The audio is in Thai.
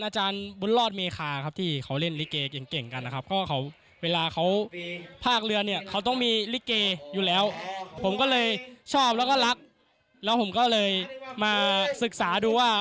ชอบและรักและผมก็เลยมาศึกษาดูว่า